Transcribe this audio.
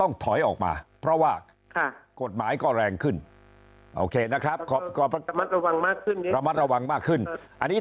ถอยออกมาเพราะว่ากฎหมายก็แรงขึ้นโอเคนะครับก็ระมัดระวังมากขึ้นอันนี้